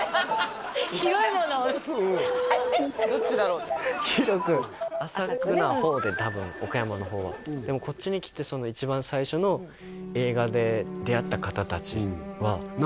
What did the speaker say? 広いものどっちだろうって広く浅くな方で多分岡山の方はでもこっちに来て一番最初の映画で出会った方達は何？